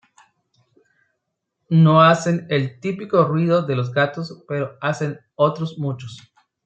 No hacen el típico ruido de los gatos pero hacen otros muchos.